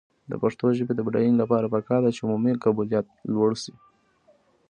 د پښتو ژبې د بډاینې لپاره پکار ده چې عمومي قبولیت لوړ شي.